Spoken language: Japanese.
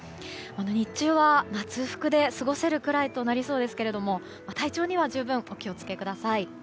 日中は夏服で過ごせるくらいとなりそうですけども体調には十分、お気を付けください。